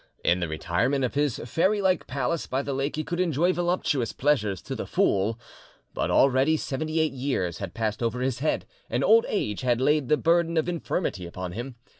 In the retirement of his fairy like palace by the lake he could enjoy voluptuous pleasures to the full. But already seventy eight years had passed over his head, and old age had laid the burden of infirmity upon him.